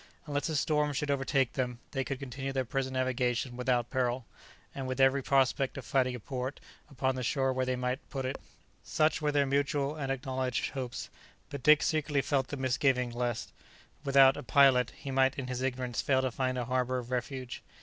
Unless a storm should overtake them, they could continue their present navigation without peril, and with every prospect of finding a port upon the shore where they might put in. Such were their mutual and acknowledged hopes; but Dick secretly felt the misgiving lest, without a pilot, he might in his ignorance fail to find a harbour of refuge.